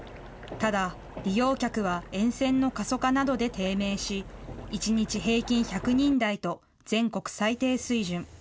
ただ、利用客は沿線の過疎化などで低迷し、１日平均１００人台と、全国最低水準。